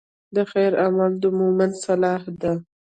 د خیر عمل د مؤمن سلاح ده.